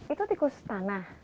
itu tikus tanah